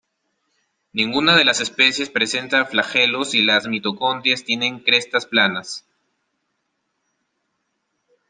Ninguna de las especies presenta flagelos y las mitocondrias tienen crestas planas.